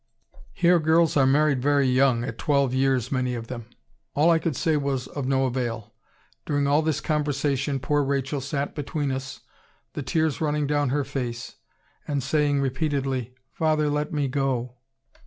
Here girls are married very young, at twelve years, many of them. All I could say was of no avail. During all this conversation poor Rachel sat between us, the tears running down her face, and saying repeatedly, "Father, let me go."